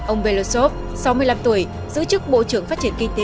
ông belosov sáu mươi năm tuổi giữ chức bộ trưởng phát triển kinh tế